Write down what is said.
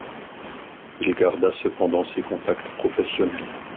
Il garda cependant ses contacts professionnels.